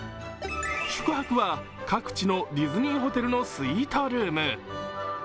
宿泊は各地のディズニーホテルのスイートルーム。